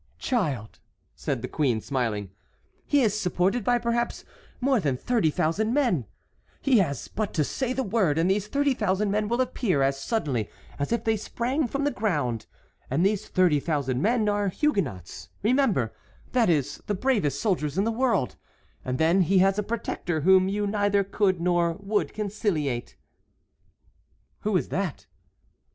"Child," said the queen, smiling, "he is supported by perhaps more than thirty thousand men; he has but to say the word and these thirty thousand men will appear as suddenly as if they sprang from the ground; and these thirty thousand men are Huguenots, remember, that is, the bravest soldiers in the world, and then he has a protector whom you neither could nor would conciliate." "Who is that?"